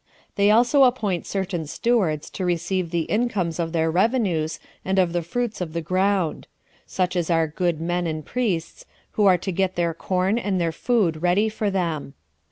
They also appoint certain stewards to receive the incomes of their revenues, and of the fruits of the ground; such as are good men and priests, who are to get their corn and their food ready for them.